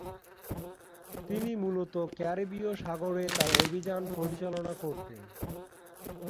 তিনি মূলত ক্যারিবীয় সাগরে তার অভিযান পরিচালনা করতেন।